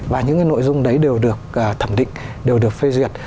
và những nội dung đấy đều được thẩm định đều được phê duyệt